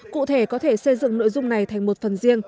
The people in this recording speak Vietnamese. cụ thể có thể xây dựng nội dung này thành một phần riêng